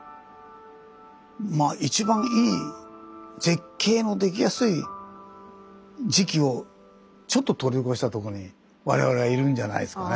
まあ一番いい絶景のできやすい時期をちょっと通り越したとこに我々はいるんじゃないですかね。